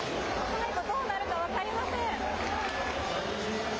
最後、どうなるか分かりません。